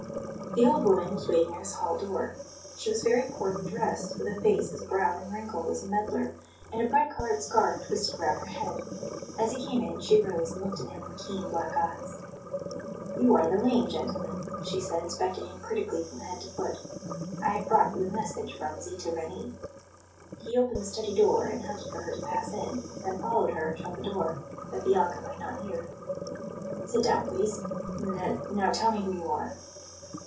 The old woman was waiting at his hall door. She was very poorly dressed, with a face as brown and wrinkled as a medlar, and a bright coloured scarf twisted round her head. As he came in she rose and looked at him with keen black eyes. "You are the lame gentleman," she said, inspecting him critically from head to foot. "I have brought you a message from Zita Reni." He opened the study door, and held it for her to pass in; then followed her and shut the door, that Bianca might not hear. "Sit down, please. N now, tell me who you are."